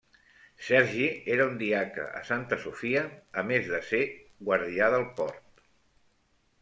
Sergi era un diaca a Santa Sofia, a més de ser guardià del port.